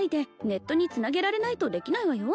ネットにつなげられないとできないわよ